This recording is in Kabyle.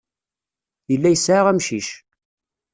Yella yesɛa amcic.